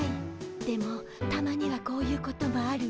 でもたまにはこういうこともあるわ。